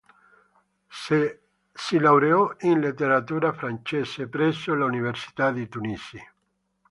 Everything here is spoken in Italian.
Si laureò in letteratura francese, presso l'Università di Tunisi.